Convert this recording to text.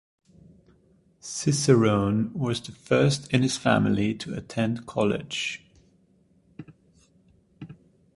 Cicerone was the first in his family to attend college.